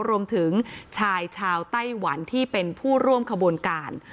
รวมถึงชายชาวไต้หวันที่เป็นผู้ร่วมขบวนการ